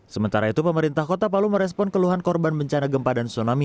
sementara itu pemerintah kota palu merespon keluhan korban bencana gempa dan tsunami